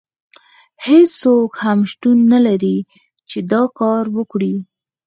هیڅوک هم شتون نه لري چې دا کار وکړي.